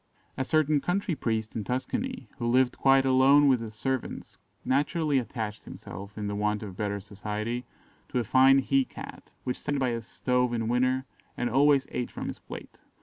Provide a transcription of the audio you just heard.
A certain country priest in Tuscany, who lived quite alone with his servants, naturally attached himself, in the want of better society, to a fine he cat, which sat by his stove in winter, and always ate from his plate.